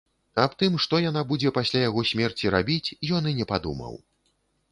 Аб тым, што яна будзе пасля яго смерці рабіць, ён і не падумаў.